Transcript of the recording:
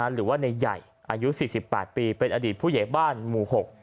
หรือว่าในใหญ่อายุ๔๘ปีเป็นอดีตผู้ใหญ่บ้านหมู่๖